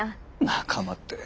仲間って。